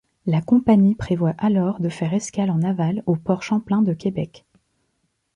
La compagnie prévoit alors de faire escale en aval, au port Champlain de Québec.